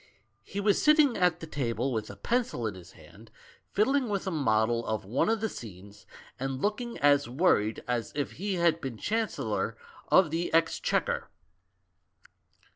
He was sitting at the table with a pencil in his hand, fiddling with a model of one of the scenes, and looking as worried as if he had been Chancellor of the Exchequer.